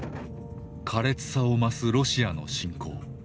苛烈さを増すロシアの侵攻。